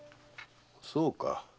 そうか。